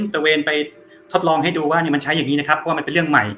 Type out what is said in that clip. ตระเวนไปทดลองให้ดูว่ามันใช้อย่างนี้นะครับเพราะว่ามันเป็นเรื่องใหม่